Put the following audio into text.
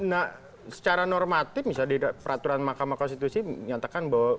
nah secara normatif misalnya di peraturan mahkamah konstitusi menyatakan bahwa